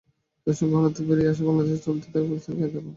ধর্ষণ ও গণহত্যা পেরিয়ে আসা বাংলাদেশে চলতে থাকে পাকিস্তানি কায়দার অনুকরণ।